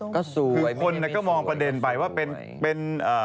คือมนักก็มองประเด็นไปว่าเป็น